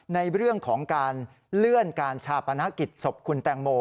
ในเรื่องของการเลื่อนการชาปนกิจศพคุณแตงโม